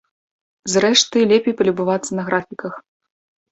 Зрэшты, лепей палюбавацца на графіках.